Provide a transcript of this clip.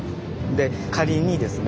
で仮にですね